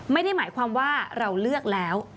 ไม่ได้หมายความว่าเราเลือกแล้ว